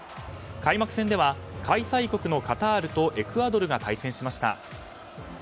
開幕戦では開催国のカタールとエクアドルが対戦しました。